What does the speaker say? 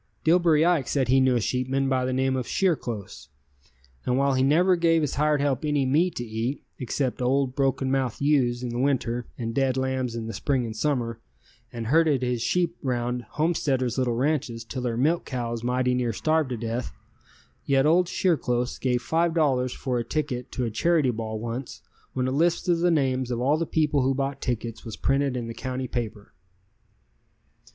Dillbery Ike said he knew a sheepman by the name of Shearclose, and while he never gave his hired help any meat to eat except old broken mouthed ewes in the winter and dead lambs in the spring and summer, and herded his sheep around homesteaders' little ranches till their milk cows mighty near starved to death, yet old Shearclose gave $5 for a ticket to a charity ball once when a list of the names of all the people who bought tickets was printed in the county paper. [Illustration: _C. J. Lane, General Freight Agent and Pass Distributer to Live Stock Shippers.